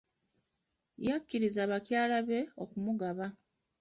Yakkiriza bakyala be okumugaba.